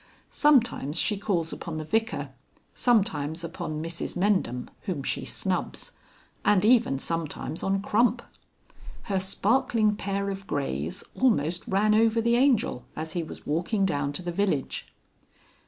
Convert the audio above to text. Sometimes she calls upon the Vicar, sometimes upon Mrs Mendham whom she snubs, and even sometimes on Crump. Her sparkling pair of greys almost ran over the Angel as he was walking down to the village.